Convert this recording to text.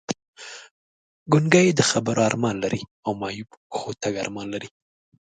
ګونګی د خبرو ارمان لري او معیوب پښو تګ ارمان لري!